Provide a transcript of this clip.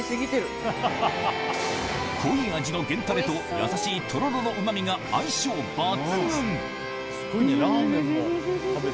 濃い味の源たれとやさしいとろろのうま味が相性抜群ンフフ。